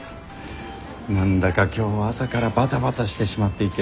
何だか今日は朝からバタバタしてしまっていて。